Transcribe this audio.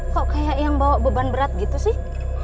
kok kayak yang bawa beban berat gitu sih